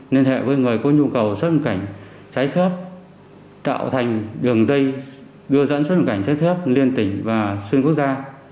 liên hệ với người có nhu cầu xuất nhập cảnh trái phép tạo thành đường dây đưa dẫn xuất nhập cảnh trái phép liên tỉnh và xuyên quốc gia